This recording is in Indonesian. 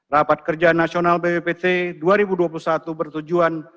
rapat kerja nasional bppt dua ribu dua puluh satu bertujuan